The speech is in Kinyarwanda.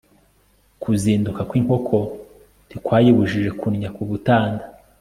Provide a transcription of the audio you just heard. kuzinduka kw'inkoko ntikwayibujije kunnya ku butanda